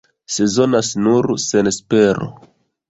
Sezonas nur senespero.